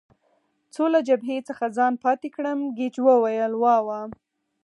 څو له جبهې څخه ځان پاتې کړم، ګېج وویل: وا وا.